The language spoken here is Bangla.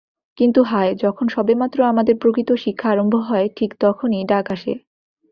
কিন্তু হায়, যখন সবেমাত্র আমাদের প্রকৃত শিক্ষা আরম্ভ হয় ঠিক তখনি ডাক আসে।